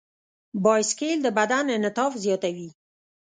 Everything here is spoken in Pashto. بایسکل د بدن انعطاف زیاتوي.